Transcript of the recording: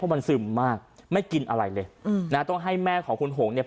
เพราะมันซึมมากไม่กินอะไรเลยต้องให้แม่ของคุณโหงเนี่ย